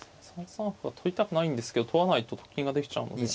３三歩は取りたくないんですけど取らないとと金ができちゃうので。